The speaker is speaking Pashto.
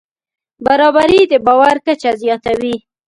برابري د باور کچه زیاتوي.